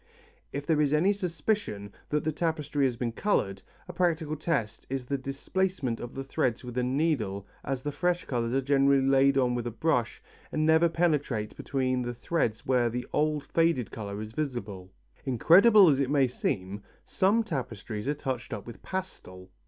If there is any suspicion that the tapestry has been coloured, a practical test is the displacement of the threads with a needle as the fresh colours are generally laid on with a brush and never penetrate between the threads where the old faded colour is visible. Incredible as it may seem, some tapestries are touched up with pastel.